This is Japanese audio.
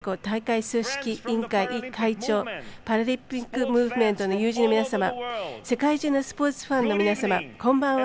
東京都知事橋本聖子大会組織委員会会長パラリンピック・ムーブメントの関係者の皆様世界中のスポーツファンの皆様こんばんは。